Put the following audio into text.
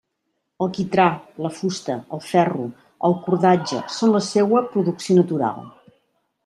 El quitrà, la fusta, el ferro, el cordatge són la seua producció natural.